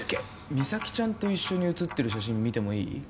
美咲ちゃんと一緒に写ってる写真見てもいい？